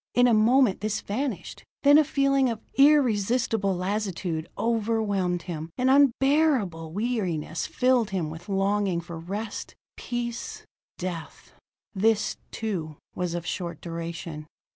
In a moment this vanished. Then a feeling of irresistible lassitude overwhelmed him; an unbearable weariness filled him with longing for rest, peace death. This, too, was of short duration.